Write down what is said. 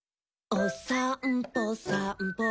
「おさんぽさんぽ」